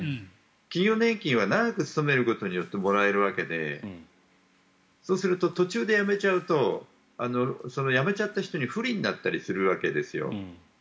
企業年金は長く勤めることによってもらえるわけでそうすると途中で辞めちゃうと辞めちゃった人に不利になったりするわけですよ。